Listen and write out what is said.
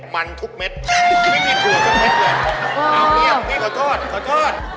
ไม่มีถั่วทุกเม็ดเลยเอ้าเงียบพี่ขอโทษ